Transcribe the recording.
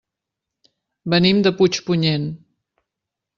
Venim de Puigpunyent.